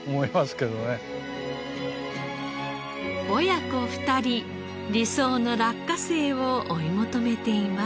親子２人理想の落花生を追い求めています。